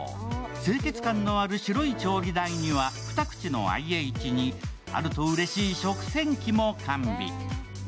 清潔感のある白い調理台には、２口のＩＨにあるとうれしい食洗機も完備。